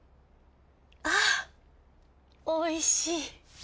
あおいしい。